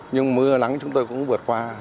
nhưng mưa lắng chúng tôi cũng vượt qua